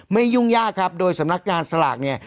ยุ่งยากครับโดยสำนักงานสลากเนี่ย